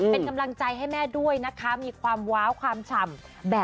เป็นกำลังใจให้แม่ด้วยนะคะมีความว้าวความฉ่ำ